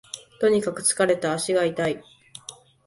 とにかく疲れた、足が痛い